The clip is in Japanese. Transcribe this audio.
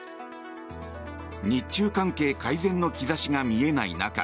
日中関係改善の兆しが見えない中